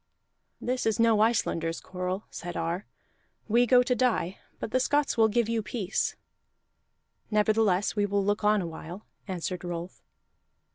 "This is no Icelanders quarrel," said Ar. "We go to die, but the Scots will give you peace." "Nevertheless we will look on a while," answered Rolf.